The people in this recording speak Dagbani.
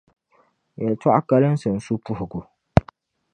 Yɛlitɔɣa kalinsi n-su puhigu.